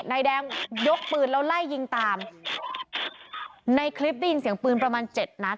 นายแดงยกปืนแล้วไล่ยิงตามในคลิปได้ยินเสียงปืนประมาณเจ็ดนัด